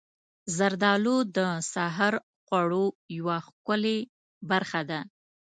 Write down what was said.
زردالو د سحر خوړو یوه ښکلې برخه ده.